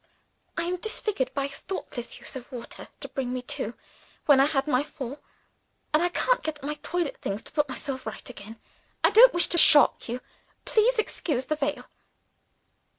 I am disfigured by a thoughtless use of water, to bring me to when I had my fall and I can't get at my toilet things to put myself right again. I don't wish to shock you. Please excuse the veil."